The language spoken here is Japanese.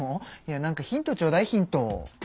なんかヒントちょうだいヒント。